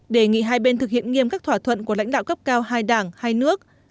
đề nghị hai bên thực hiện nghiêm các thỏa thuận của lãnh đạo cấp cao hai đảng hai nước